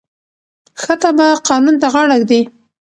ښه تبعه قانون ته غاړه ږدي.